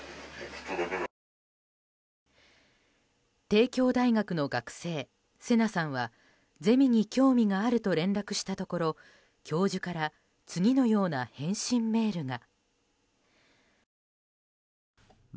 帝京大学の学生、せなさんはゼミに興味があると連絡したところ教授から次のような返信メールが。